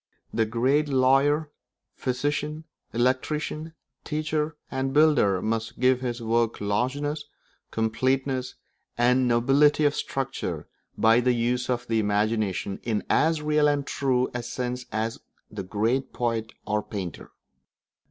The great lawyer, physician, electrician, teacher, and builder must give his work largeness, completeness, and nobility of structure by the use of the imagination in as real and true a sense as the great poet or painter.